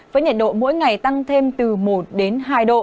với nhiệt độ mỗi ngày tăng thêm từ một đến hai độ